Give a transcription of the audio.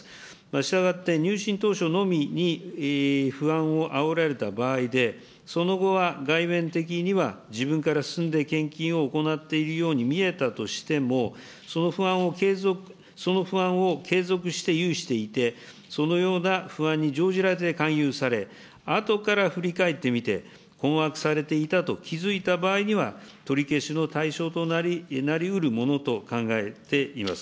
したがって入信当初のみに不安をあおられた場合で、その後は外面的には自分から進んで献金を行っているように見えたとしても、その不安を継続、その不安を継続して有していて、そのような不安に乗じられて勧誘され、あとから振り返ってみて、困惑されていたと気付いた場合には、取り消しの対象となりうるものと考えています。